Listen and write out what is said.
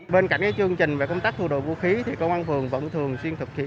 bên cạnh chương trình về công tác thu đồ vũ khí thì công an phường vẫn thường xuyên thực hiện